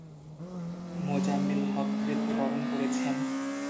মোজাম্মেল হক মৃত্যুবরণ করেছেন।